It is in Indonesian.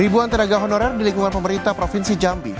ribuan tenaga honorer di lingkungan pemerintah provinsi jambi